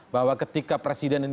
bahwa ketika presiden itu